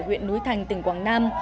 huyện núi khành tỉnh quảng nam